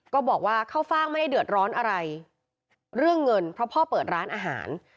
ก็บอกว่าเข้าฟ่างไม่ได้เดือดร้อนอะไรเรื่องเงินเพราะพ่อเปิดร้านอาหาร